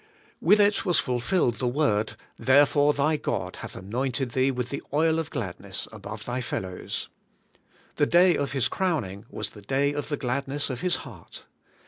With it was fulfilled the word: 'Therefore thy God hath anointed thee with the oil of gladness above thy fel lows.' The day of His crowning was the day of the gladness of His heart.